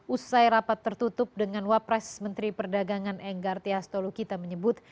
usai rapat tertutup dengan wapres menteri perdagangan enggar tias tolukita menyebut